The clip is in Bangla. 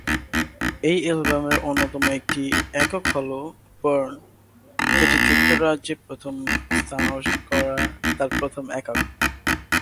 এই অ্যালবামের অন্যতম একটি একক হলো "বার্ন", যেটি যুক্তরাজ্যে প্রথম স্থান অর্জন করা তার প্রথম একক।